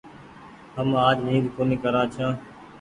هم آج نيد ڪونيٚ ڪران ڇآن۔